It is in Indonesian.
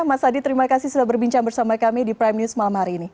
mas adi terima kasih sudah berbincang bersama kami di prime news malam hari ini